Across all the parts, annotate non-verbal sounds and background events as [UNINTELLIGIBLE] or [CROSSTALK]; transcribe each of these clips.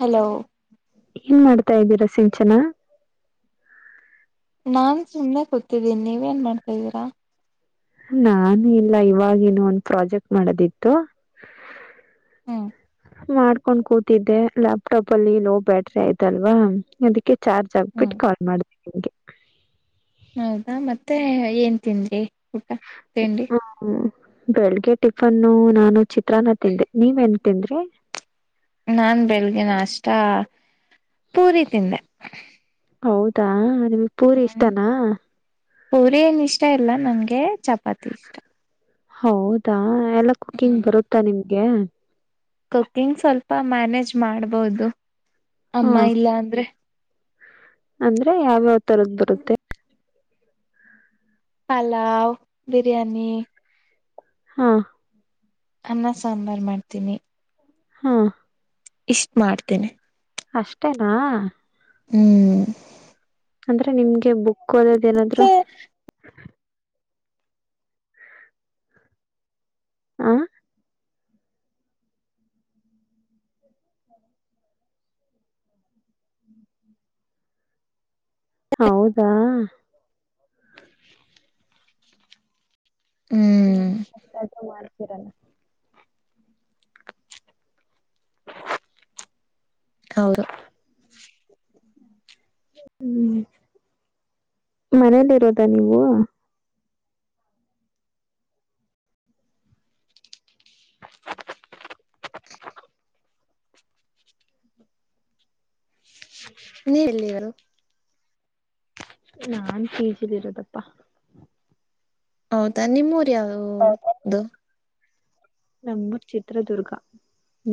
Hello ಏನ್ ಮಾಡ್ತ್ ತಾ ಇದಿರಾ ಸಿಂಚನಾ ನಾನ್ ಸುಮ್ನೇ ಕೂತಿದ್ದೀನಿ ನೀವೇನ್ ಮಾಡ್ತಾ ಇದ್ದೀರಾ ನಾನು ಇಲ್ಲ ಇವಾಗಿದು ಒಂದ್ ಪ್ರಾಜೆಕ್ಟ್ ಮಾಡದಿತ್ತು ಹ್ಮ್ ಮಾಡ್ಕೊಂಡ್ ಕೂತಿದ್ದೆ ಲ್ಯಾಪ್ಟಾಪ್ ಅಲ್ಲಿ ಲೋ ಬ್ಯಾಟರಿ ಆಯ್ತಲ್ವಾ ಅದಕ್ಕೆ ಚಾರ್ಜ್ ಹ್ಮ್ ಹಾಕ್ಬಿಟ್ಟು ಕಾಲ್ ಮಾಡ್ದೆ ನಿಮ್ಗೆ ಹೌದಾ ಮತ್ತೆ ಏನ್ ತಿಂದ್ರಿ ಊಟಾ ತಿಂಡಿ ಹ್ಮ್ ಬೆಳಗ್ಗೆ ಟಿಫನ್ನು ನಾನು ಚಿತ್ರಾನ್ನ ತಿಂದೆ ನೀವೇನ್ ತಿಂದ್ರಿ ನಾನ್ ಬೆಳಗ್ಗ ನಾಷ್ಟಾ ಪೂರಿ ತಿಂದೆ. ಹೌದಾ ನಿಮ್ಗ್ ಪೂರಿ ಹ್ಮ್ ಇಷ್ಟಾನ. ಪೂರಿ ಏನ್ ಇಷ್ಟ ಇಲ್ಲ ನಂಗೆ ಚಪಾತಿ. ಚಪಾತಿ ಇಷ್ಟ. ಹೌದಾ ಎಲ್ಲ ಕುಕಿಂಗ್ ಬರುತ್ತಾ ನಿಮ್ಗೆ. ಕುಕಿಂಗ್ ಸ್ವಲ್ಪ ಮ್ಯಾನೇಜ್ ಮಾಡ್ಬೋದು. ಹಾ ಅಮ್ಮ ಇಲ್ಲ ಅಂದ್ರೆ. ಅಂದ್ರೆ ಯಾವ್ಯಾವ್ ತರದ ಬರುತ್ತೆ. ಪಲಾವ್ ಬಿರಿಯಾನಿ. ಹಾ ಅನ್ನ ಸಾಂಬಾರ್ ಮಾಡ್ತೀನಿ. ಹಾ. ಇಷ್ಟ ಮಾಡ್ತೀನಿ. ಅಷ್ಟೇನಾ. ಹ್ಮ್ ಅಂದ್ರೆ ನಿಮ್ಗೆ ಬುಕ್ ಓದದೇನಾದ್ರು. ಹ ಹೌದಾ ಹ್ಮ್ ಆಯಿತ್ ಆಯಿತೋ ಮಾಡ್. ಬರಲ್ಲ ಹೌದು ಹ್ಮ ಮನೇಯಲ್ಲಿರೋದಾ ನೀವು [INAUDIBLE] ನೀವು ಎಲ್ಲಿರದು ನಾನ್ ಪಿಜಿಲಿ ಇರೋದಪ್ಪಾ. ಹೌದಾ ನಿಮ್ಮೂರ್. ಯಾವ್ಯಾವೂದು. ನಮ್ದ ಚಿತ್ರದುರ್ಗ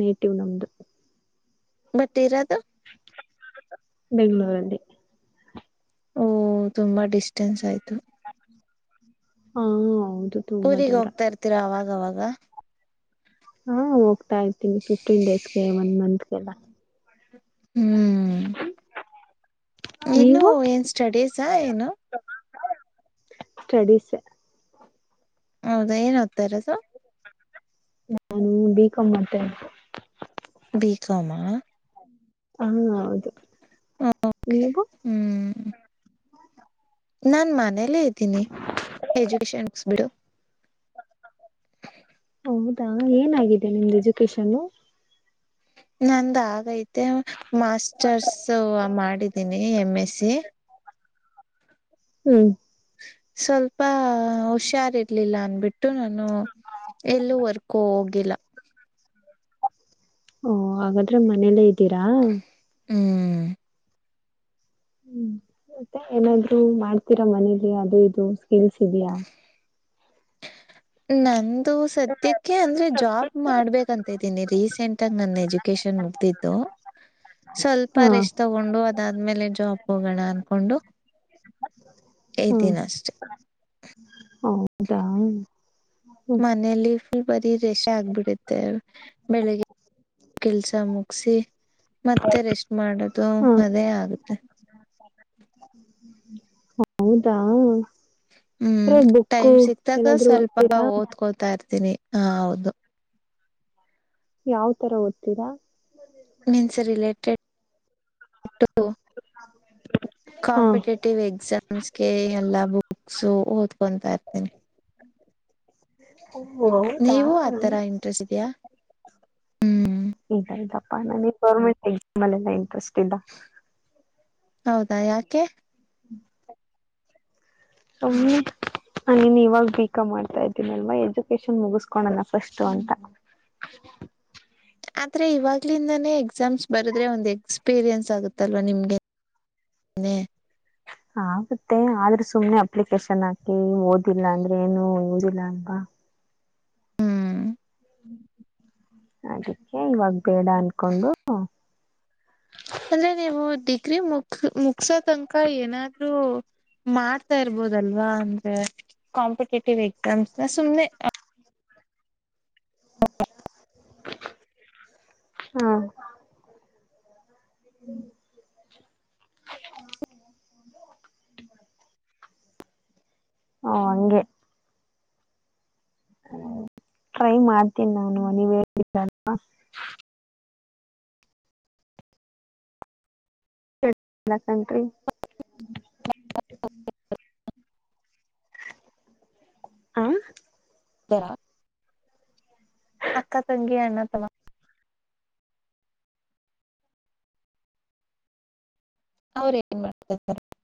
ನೇಟಿವ್ ನಮ್ದು. ಬಟ್ ಇರೋದು ಬೆಂಗಳೂರು ಅಲ್ಲಿ. ಓ ತುಂಬಾ ಡಿಸ್ಟೆನ್ಸ್ ಆಯ್ತು. ಹ್ಮ ಹೌ ಊರಿಗೆ ಹೋಗ್ತಾ ಇರ್ತೀರಾ ಅವಾಗವಾಗ. ಹಾ ಹೋಗ್ತಾ ಇರ್ತೀನಿ ಫಿಫ್ಟೀನ್ ಡೇಸ್ಗೆ ಒನ್ ಮಂತ್ಗೆಲ್ಲ. ಹ್ಮ್. ಇನ್ನು ನೀವು ಏನ್ ಸ್ಟಡೀಸಾ ಏನು. ಸ್ಟೆಡಿಸೇ. ಹೌದಾ, ಏನು, ಓದತಾ ಇರೋದು? [INAUDIBLE] ನಾನು, ಬಿ. ಕಾಮ್, ಮಾಡ್ತಾ ಇದೀನಿ. [INAUDIBLE] B, comma. [INAUDIBLE] ಹಾ, ಹೌದು, ನೀವು. ಹ್ಮ್ [UNINTELLIGIBLE] ನಾನ್, ಮನೇಲ್ಲೇ, ಇದ್ದೀನಿ ಎಜುಕೇಶನ್ಸ್ ಬಿಡು. [UNINTELLIGIBLE] ಹೌದಾ, ಏನಾಗಿದೆ, ನಿಮ್ದು ಎಜುಕೇಶನ್ನು? [INAUDIBLE] ನಂದ, ಆಗೈತೆ, ಮಾಸ್ಟರ್ಸ್, ಮಾಡಿದೀನಿ, ಎಂ, ಎಸ್ಸಿ. [INAUDIBLE] ಹ್ಮ್... [INAUDIBLE] ಸ್ವಲ್ಪ.. [INAUDIBLE] ಹು, ಹುಷಾರ್, ಇರ್ಲಿಲ್ಲ ಅಂದಬಿಟ್ಟು ನಾನು ಎಲ್ಲೂ ವರ್ಕೋ, ಹೋಗಿಲ್ಲ. [INAUDIBLE] ಓ, ಹಾಗಾದ್ರೆ, ಮನೇಲ್ಲೇ ಇದ್ದೀರಾ? [INAUDIBLE] ಹ್ಮ್.. [INAUDIBLE] ಹ್ಮ್, ಮತ್ತೆ, ಏನಾದರು, ಮಾಡ್ತೀರಾ! ಮನೇಲಿ ಅದು ಇದು. [INAUDIBLE] ಕೇಳಿಸ್ತಾ ಇದೆಯಾ? [INAUDIBLE] ನಂದು, ಸದ್ಯಕ್ಕೆ, ಅಂದ್ರೆ ಜಾಬ್ ಮಾಡ್ಬೇಕಂತ. [INAUDIBLE] ಮಾಡುತ್ತೀನಿ, ರೀಸೆಂಟ್, ಆಗೀ, ನನ್ನ ಎಜುಕೇಶನ್, ಮುಗಿದಿದ್ದು. [INAUDIBLE] ಸ್ವಲ್ಪ, ಹಾ ರೆಸ್ಟ್, ತಗೊಂಡು. [INAUDIBLE] ಅದ್ಮೇಲೆ, ಜಾಬ್ ಹೋಗೋಣ! ಅನ್ಕೊಂಡು ಇದೀನಿ, ಅಷ್ಟೆ. [INAUDIBLE] ಹೌದ. [INAUDIBLE] ಮನೇಲಿ... [INAUDIBLE] ಯುಗಾದಿ. [UNINTELLIGIBLE] ರೆಸ್ಟ್, ಆಗ್ಬಿಡುತ್ತೆ, ಬೆಳಿಗ್ಗೆ ಕೆಲ್ಸ ಮುಗಸಿ ಮತ್ತೆ ರೆಸ್ಟ್, ಮಾಡದು ಹಾ ಅದೇ ಆಗುತ್ತೆ? [INAUDIBLE] ಹೌದಾ.. [INAUDIBLE] ಹ್ಮ್, ಬುಕ್ಕು ಟೈಮ್ ಸಿಕ್ದಾಗ, ಏನಾದ್ರು ಸ್ವಲ್ಪ ಓದ್ತೀರಾ ಓದ್ಕೋತಾ ಇರ್ತೀನಿ. [INAUDIBLE] ಹಾ, ಹೌದು. [INAUDIBLE] ಯಾವ, ತರ ಓದ್ತೀರಾ? [INAUDIBLE] Means, related. [INAUDIBLE] ಊಟೊಡ್ಹು, ಹಾ ಕಾಂಪಿಟೇಟಿವ್ ಎಕ್ಸಾಮ್ಸ್ಗೆ ಎಲ್ಲ, ಬುಕ್. [UNINTELLIGIBLE] ಬುಕ್ಸು, ಓದ್ಕೊಂತಾ ಇರ್ತೀನಿ. [INAUDIBLE] ಓ ಹೌದಾ ನೀವು, ಆತರ ಇಂಟ್ರೆಸ್ಟ್ ಇದೀಯಾ? [INAUDIBLE] ಪ, ನನಗೆ, ಗೊವ್ವೆರ್ನ್ಮೆಂತ್, ಎಕ್ಸಾಮ್, ನೈನ್ ಕ್ಲಾಸ್ ಇಂದ. [INAUDIBLE] ಹೌದಾ, ಯಾಕೆ? [INAUDIBLE] ಒಮ್ಮನ್, ನಾನು, ಇವಾಗ ಬಿ. ಕಂ. ಮಾಡ್ತಾ ಇದ್ದೀನಿ ಅಲ್ವಾ! ಎಜುಕೇಶನ್ ಮುಗಸ್ಕೊಲ್ಲನ, ಫಸ್ಟ್ ಅಂತ. [INAUDIBLE] ಆದ್ರೆ, ಇವಾಗ್ಲಿಂದಾನೇ, ಎಕ್ಸಾಮ್ಸ್ ಬರಿದರೆ, ಒಂದು ಎಕ್ಸ್ಪೀರಿಯನ್ಸ್, ಆಗುತ್ತಲ್ವಾ ನಿಮ್ಗೆ? [INAUDIBLE] ಆಗುತ್ತೆ, ಆದ್ರೆ ಸುಮ್ನೆ, ಅಪ್ಲಿಕೇಶನ್ ಹಾಕಿ ಓದಿಲ್ಲ, ಅಂದ್ರೆ ಏನು ಯೂಸ್, ಇಲ್ಲ, ಅಲ್ವಾ. [INAUDIBLE] ಹ್ಮ್ ಅದಕ್ಕೆ, ಇವಾಗ, ಬೇಡ ಅನ್ಕೊಂಡು. [INAUDIBLE] ಅಂದ್ರೆ, ನೀವು ಡಿಗ್ರಿ, ಮುಕ್, ಮುಗಿಶೋತನಕ ತನಕ ಏನಾದ್ರೂ. [INAUDIBLE] ಮಾಡ್ತಾ, ಇರ್ಬೋದಲ್ವಾ, ಅಂದ್ರೆ ಕಾಂಪಿಟೇಟಿವ್, ಎಕ್ಸಾಮ್ಸ್ನ ಸುಮ್ನೆ. [INAUDIBLE] ಹಾ.. [UNINTELLIGIBLE] ಹೂ ಹಂಗೆ. ಟ್ರೈ ಮಾಡ್ತೀನಿ ನಾನು ನೀವೇಲಿದ್ರಿಲಾ. [INAUDIBLE] ಆ. ತರಾ. ಅಕ್ಕಾ ತಂಗಿ ಅಣ್ಣ ತಮ್ಮಾ. ಅವ್ರ ಏನ್ ಮಾಡ್ತ [INAUDIBLE]